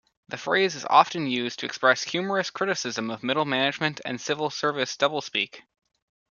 The phrase is often used to express humorous criticism of middle-management and civil-service doublespeak.